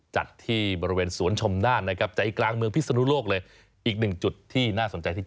จัดที่บริเวณสวนชมด้าน